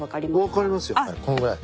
分かりますよ。こんぐらい。